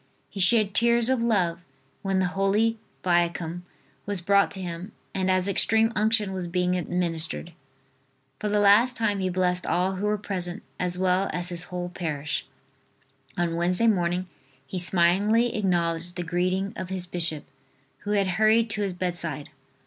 He shed tears of love when the Holy Viaticum was brought to him and as Extreme Unction was being administered. For the last time he blessed all who were present as well as his whole parish. On Wednesday morning he smilingly acknowledged the greeting of his bishop, who had hurried to his bedside.